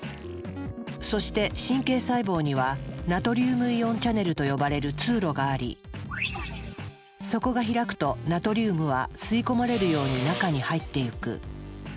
そして神経細胞にはナトリウムイオンチャネルと呼ばれる通路がありそこが開くとナトリウムは吸い込まれるように中に入っていく。